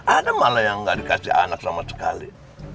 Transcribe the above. ada malah yang nggak dikasih anak sama sekali